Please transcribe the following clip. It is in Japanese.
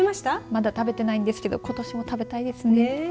まだ食べてないですけどことしも食べたいですね。